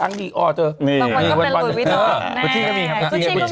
บางคนก็เป็นระบวนวิทยาละคุชิก็มีครับคุชิก็มี